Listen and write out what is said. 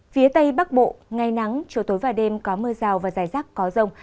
phía tây bắc bộ ngày nắng chiều tối và đêm có mưa rào và rải rác có rông